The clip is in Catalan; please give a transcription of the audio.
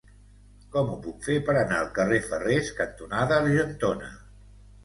Com ho puc fer per anar al carrer Ferrers cantonada Argentona?